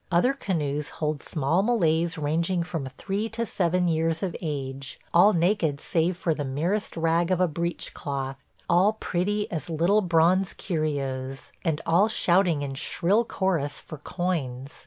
Other canoes hold small Malays ranging from three to seven years of age, all naked save for the merest rag of a breechcloth, all pretty as little bronze curios, and all shouting in shrill chorus for coins.